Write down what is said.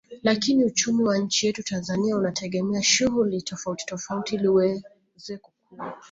Lakini uchumi wa nchi yetu Tanzania unategemea shughuli tofauti tofauti ili uweze kukua